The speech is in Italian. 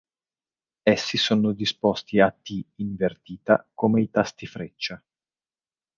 Essi sono disposti a T invertita come i tasti freccia.